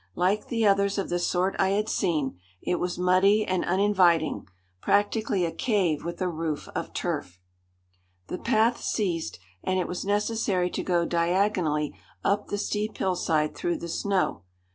Like the others of the sort I had seen, it was muddy and uninviting, practically a cave with a roof of turf. The path ceased, and it was necessary to go diagonally up the steep hillside through the snow.